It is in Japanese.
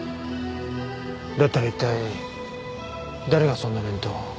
だったら一体誰がそんな弁当。